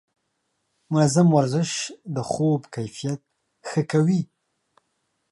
منظم ورزش د خوب کیفیت ښه کوي.